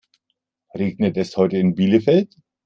Regnet es heute in Bielefeld?